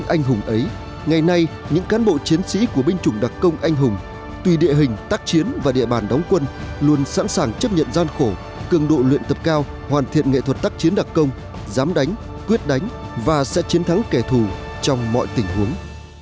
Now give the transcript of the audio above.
anh hùng ấy ngày nay những cán bộ chiến sĩ của binh chủng đặc công anh hùng tùy địa hình tác chiến và địa bàn đóng quân luôn sẵn sàng chấp nhận gian khổ cường độ luyện tập cao hoàn thiện nghệ thuật tác chiến đặc công dám đánh quyết đánh và sẽ chiến thắng kẻ thù trong mọi tình huống